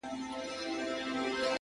شاعره ياره ستا قربان سمه زه،